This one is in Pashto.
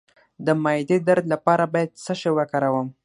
د معدې درد لپاره باید څه شی وکاروم؟